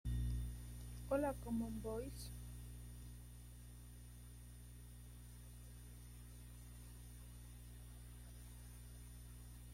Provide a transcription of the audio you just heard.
Poseen una ventosa en el vientre cerca de la cabeza.